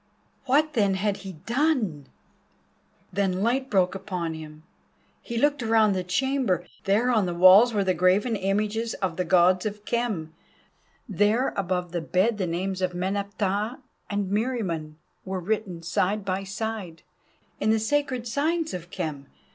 What then had he done? Then light broke upon him. He looked around the chamber—there on the walls were the graven images of the Gods of Khem, there above the bed the names of Meneptah and Meriamun were written side by side in the sacred signs of Khem.